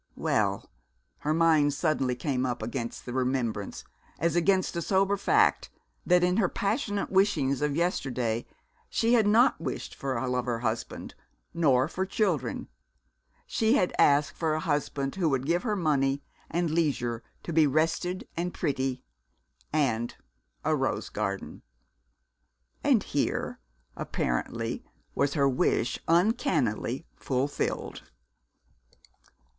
Well her mind suddenly came up against the remembrance, as against a sober fact, that in her passionate wishings of yesterday she had not wished for a lover husband, nor for children. She had asked for a husband who would give her money, and leisure to be rested and pretty, and a rose garden! And here, apparently, was her wish uncannily fulfilled.